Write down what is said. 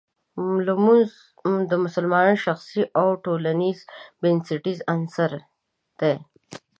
لمونځ د مسلمان د شخصي او ټولنیز ژوند بنسټیز عنصر دی.